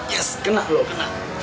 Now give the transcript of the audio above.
yes kena lo kena